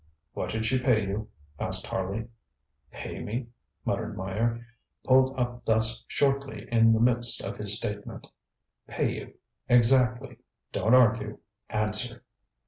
ŌĆØ ŌĆ£What did she pay you? ŌĆØ asked Harley. ŌĆ£Pay me? ŌĆØ muttered Meyer, pulled up thus shortly in the midst of his statement. ŌĆ£Pay you. Exactly. Don't argue; answer.